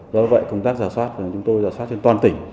do vậy công tác rào soát chúng tôi rào soát trên toàn tỉnh